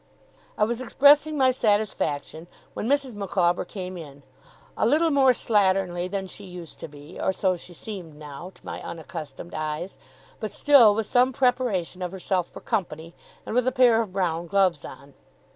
I was expressing my satisfaction, when Mrs. Micawber came in; a little more slatternly than she used to be, or so she seemed now, to my unaccustomed eyes, but still with some preparation of herself for company, and with a pair of brown gloves on.